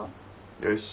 よし。